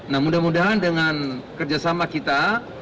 nah mudah mudahan dengan kerjasama kita